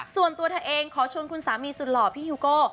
ส่วนตัวเธอเองขอชวนคุณสามีสุดหล่อพี่ฮิวโก้